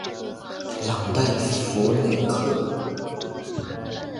朗代韦内克。